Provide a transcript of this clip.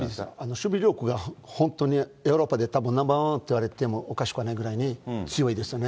守備力が本当にヨーロッパでたぶんナンバー１といわれても、おかしくないぐらいに強いですね。